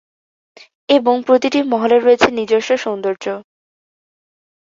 এবং প্রতিটি মহলের রয়েছে নিজস্ব সৌন্দর্য।